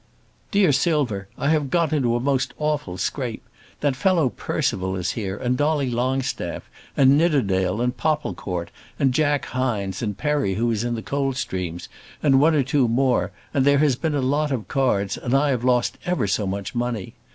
DEAR SILVER, I have got into a most awful scrape. That fellow Percival is here, and Dolly Longstaff, and Nidderdale, and Popplecourt, and Jack Hindes, and Perry who is in the Coldstreams, and one or two more, and there has been a lot of cards, and I have lost ever so much money.